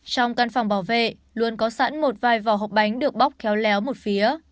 trong căn phòng bảo vệ luôn có sẵn một vài vỏ hộp bánh được bóc khéo léo một phía